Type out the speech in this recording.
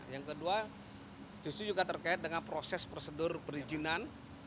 yang kedua justru juga terkait dengan proses prosedur perizinan